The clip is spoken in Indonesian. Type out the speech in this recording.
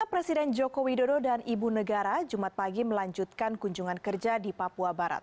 presiden joko widodo dan ibu negara jumat pagi melanjutkan kunjungan kerja di papua barat